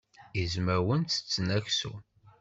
Izmawen ttetten aksum.